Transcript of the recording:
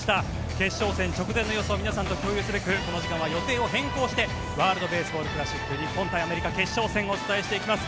決勝戦直前の様子を皆さんと共有すべくこの時間は予定を変更してワールド・ベースボール・クラシック、日本対アメリカ決勝戦をお伝えしていきます。